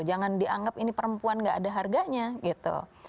ini perempuan dianggap ini perempuan gak ada harganya gitu